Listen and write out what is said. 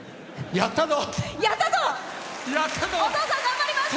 取ったぞ！